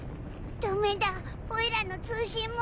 ダメだオイラの通信も。